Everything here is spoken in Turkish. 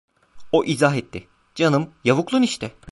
O izah etti: "Canım, yavuklun işte…"